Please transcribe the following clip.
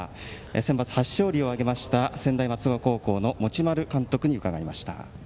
センバツ初勝利を挙げました専大松戸高校の持丸監督に伺いました。